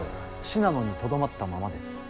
信濃にとどまったままです。